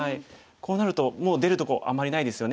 こうなるともう出るとこあんまりないですよね。